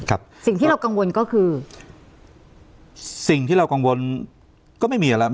สิ่งที่เรากังวลก็คือสิ่งที่เรากังวลก็ไม่มีอะไร